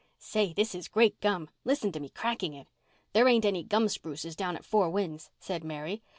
"Say, this is great gum. Listen to me cracking it. There ain't any gum spruces down at Four Winds," said Mary.